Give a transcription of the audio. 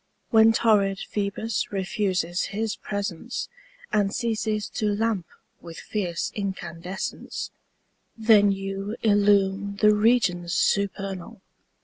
When torrid Phoebus refuses his presence And ceases to lamp with fierce incandescence^ Then you illumine the regions supernal.